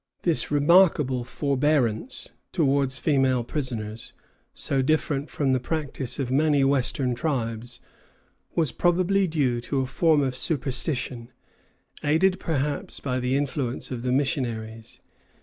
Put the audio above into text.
This remarkable forbearance towards female prisoners, so different from the practice of many western tribes, was probably due to a form of superstition, aided perhaps by the influence of the missionaries.